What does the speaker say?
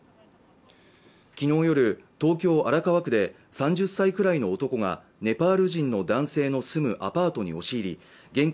昨日夜東京荒川区で３０歳くらいの男がネパール人の男性の住むアパートに押し入り現金